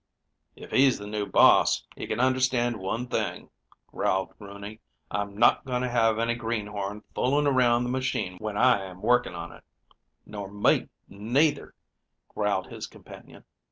"If he's the new boss, he can just understand one thing," growled Rooney, "I'm not going to have any greenhorn fooling around the machine when I am working on it." "Nor me, neither," growled his companion.